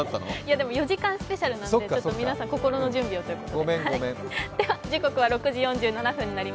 でも、４時間スペシャルなので、皆さん、心の準備をということで。